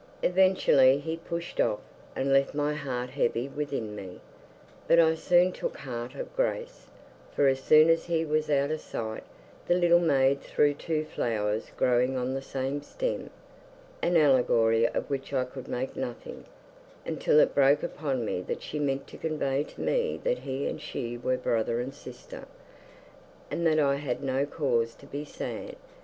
Eventually he pushed off, and left my heart heavy within me. But I soon took heart of grace, for as soon as he was out of sight, the little maid threw two flowers growing on the same stem an allegory of which I could make nothing, until it broke upon me that she meant to convey to me that he and she were brother and sister, and that I had no cause to be sad.